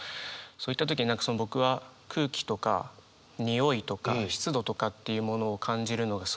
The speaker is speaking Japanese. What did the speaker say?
そういった時に僕は空気とかにおいとか湿度とかっていうものを感じるのがすごく好きで。